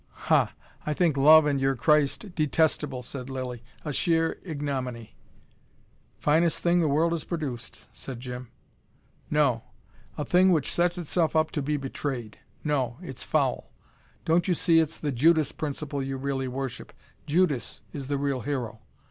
"Ha, I think Love and your Christ detestable," said Lilly "a sheer ignominy." "Finest thing the world has produced," said Jim. "No. A thing which sets itself up to be betrayed! No, it's foul. Don't you see it's the Judas principle you really worship. Judas is the real hero.